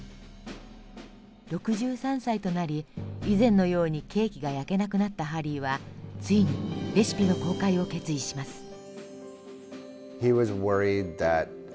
６３歳となり以前のようにケーキが焼けなくなったハリーはついにレシピの公開を決意します。